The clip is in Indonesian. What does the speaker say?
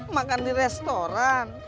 makan di restoran